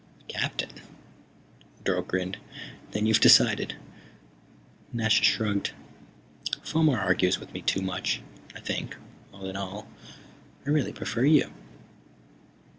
"Captain?" Dorle grinned. "Then you've decided." Nasha shrugged. "Fomar argues with me too much. I think, all in all, I really prefer you."